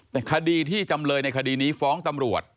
แต่คดีที่จำเลยในคดีนี้ฟ้องตำรวจ